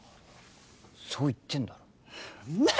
そう言ってんだろんだよ